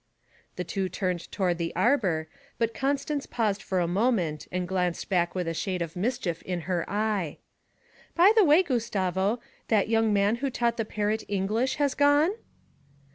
The two turned toward the arbour, but Constance paused for a moment and glanced back with a shade of mischief in her eye. 'By the way, Gustavo, that young man who taught the parrot English has gone?'